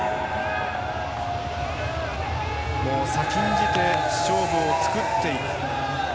先んじて勝負を作っていく。